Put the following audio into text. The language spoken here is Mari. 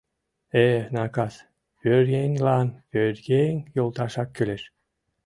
Э, накас, пӧръеҥлан пӧръеҥ йолташак кӱлеш.